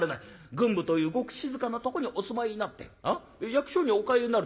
郡部というごく静かなとこにお住まいになって役所にお通いになる時にな